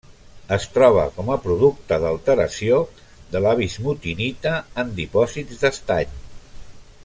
Es troba com a producte d'alteració de la bismutinita en dipòsits d'estany.